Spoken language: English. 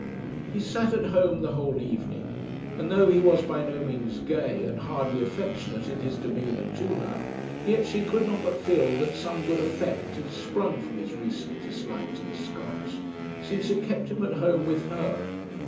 He sat at home the whole evening; and though he was by no means gay, and hardly affectionate in his demeanour to her, yet she could not but feel that some good effect had sprung from his recent dislike to the Scotts, since it kept him at home with her.